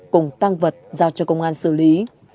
cùng tăng vật giao cho công an xử lý